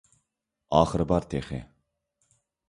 ئاخىرى بار تېخى!